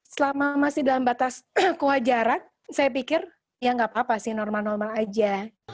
selama masih dalam batas kewajaran saya pikir ya nggak apa apa sih normal normal aja